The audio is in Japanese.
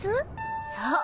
そう！